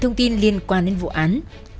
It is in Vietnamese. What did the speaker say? thông tin liên quan đến vụ án